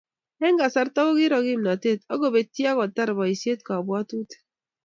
Eng kasarta ko kiiro kimnatet kobetyei akotar boisiet kabwatutik